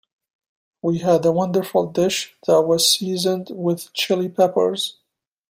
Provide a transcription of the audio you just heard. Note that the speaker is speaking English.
We had a wonderful dish that was seasoned with Chili Peppers.